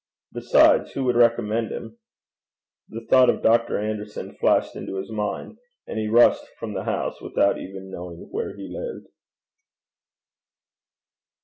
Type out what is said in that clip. Besides, who would recommend him? The thought of Dr. Anderson flashed into his mind, and he rushed from the house without even knowing where he lived.